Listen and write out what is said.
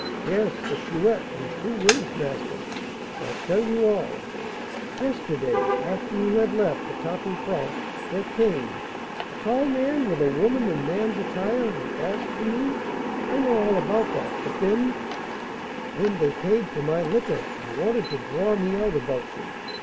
"Yes, the Chouette; in two words, master, I'll tell you all. Yesterday, after you had left the tapis franc, there came " "A tall man with a woman in man's attire, who asked for me; I know all about that, but then " "Then they paid for my liquor, and wanted to 'draw' me about you.